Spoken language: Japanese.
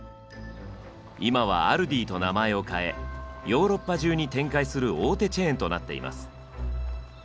今は「アルディ」と名前を変えヨーロッパ中に展開する大手チェーンとなっています。